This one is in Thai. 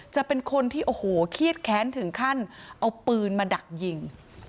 จะเป็นคนที่โอ้โหเครียดแค้นถึงขั้นเอาปืนมาดักยิง